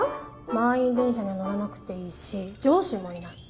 満員電車に乗らなくていいし上司もいない。